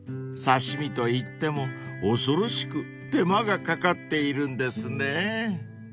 ［刺し身といっても恐ろしく手間がかかっているんですね］